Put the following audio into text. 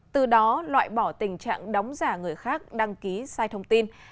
từ đó loại bỏ tình trạng đóng giả người khác đăng ký sai thông tin